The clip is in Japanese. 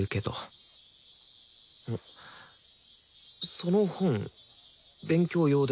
その本勉強用ですか？